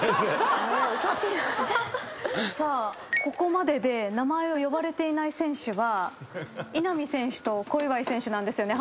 ここまでで名前を呼ばれていない選手は稲見選手と小祝選手なんです。